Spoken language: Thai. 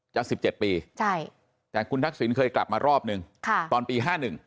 จาก๑๗ปีใช่แต่คุณทักษิณเคยกลับมารอบหนึ่งค่ะตอนปี๕๑